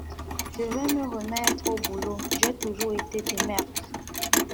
Je vais me remettre au boulot, j’ai toujours été démerde.